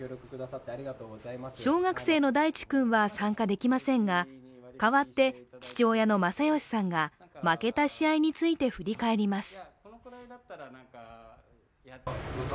小学生の大地君は参加できませんが、代わって、父親の正佳さんが負けた試合について振り返ります。